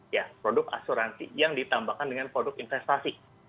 ya produk asuransi yang ditambahkan dengan produk investasi